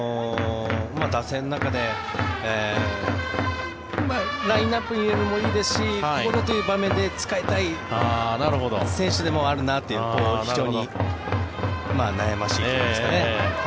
打線の中でラインアップに入れるのもいいですしここぞという場面で使いたい選手でもあるなという非常に悩ましいところですね。